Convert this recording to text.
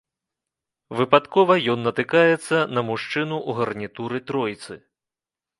Выпадкова ён натыкаецца на мужчыну ў гарнітуры-тройцы.